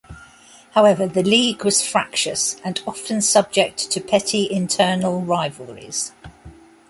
However, the League was fractious and often subject to petty internal rivalries.